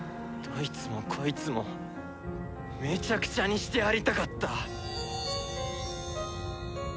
どいつもこいつもめちゃくちゃにしてやりたかった。